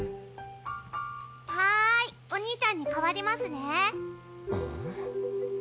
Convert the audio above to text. はーいお兄ちゃんに代わりますね